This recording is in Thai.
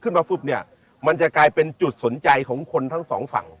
มาปุ๊บเนี่ยมันจะกลายเป็นจุดสนใจของคนทั้งสองฝั่ง